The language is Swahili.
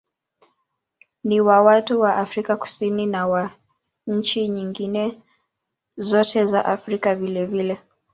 Ni wa watu wa Afrika Kusini na wa nchi nyingine zote za Afrika vilevile.